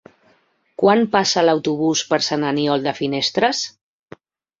Quan passa l'autobús per Sant Aniol de Finestres?